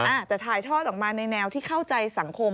อาจจะถ่ายทอดออกมาในแนวที่เข้าใจสังคม